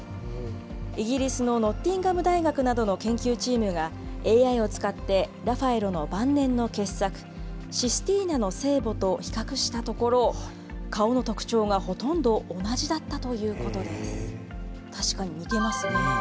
イギリスのノッティンガム大学などの研究チームがＡＩを使ってラファエロの晩年の傑作システィーナの聖母と比較したところ顔の特徴がほとんど同じだったということです。